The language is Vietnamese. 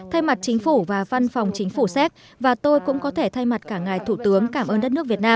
thay mặt chính phủ và văn phòng chính phủ séc và tôi cũng có thể thay mặt cả ngài thủ tướng cảm ơn đất nước việt nam